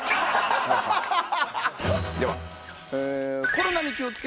では。